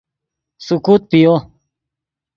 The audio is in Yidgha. سیکوت پیو